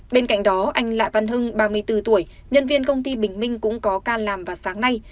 bên cạnh đó anh lạ văn hưng ba mươi bốn tuổi nhân viên công ty bình minh cũng có ca làm vào sáng nay